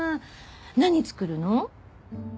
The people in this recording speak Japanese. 何作るの？